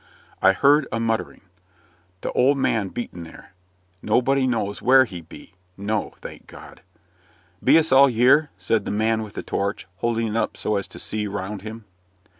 I heard a muttering "Th' old man bean't there." "Nobody knows where he be." No, thank God! "Be us all y'ere?" said the man with the torch, holding it up so as to see round him.